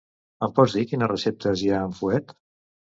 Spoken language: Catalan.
Em pots dir quines receptes hi ha amb fuet?